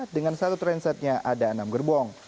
dengan satu transitnya ada enam gerbong